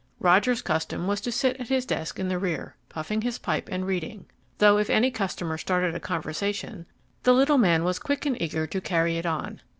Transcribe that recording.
Roger's custom was to sit at his desk in the rear, puffing his pipe and reading; though if any customer started a conversation, the little man was quick and eager to carry it on.